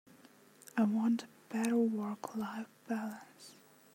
I want a better work-life balance.